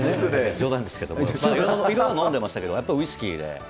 冗談ですけども、いろんなの飲んでましたけど、やっぱりウイスキーで。